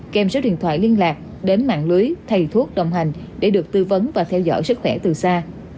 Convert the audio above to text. kèm số điện thoại liên lạc đến mạng lưới thầy thuốc đồng hành để được tư vấn và theo dõi sức khỏe từ xa